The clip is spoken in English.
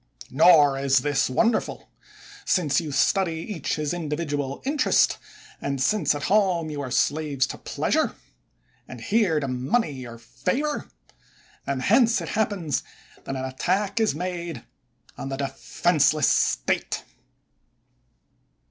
Nor is this wonderful ; since you study each his individual interest, and since at home you are slaves to pleasure, and here to money or favor; and hence it happens that an attack is made on the defenseless State.